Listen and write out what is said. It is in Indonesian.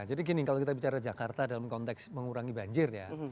jadi gini kalau kita bicara jakarta dalam konteks mengurangi banjir ya